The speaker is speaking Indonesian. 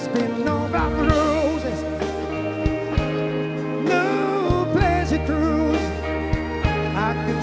selamat malam pdi perjuangan